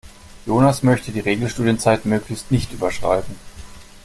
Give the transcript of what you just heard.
Jonas möchte die Regelstudienzeit möglichst nicht überschreiten.